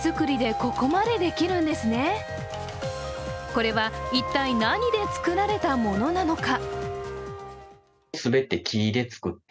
これは一体、何で作られたものなのか？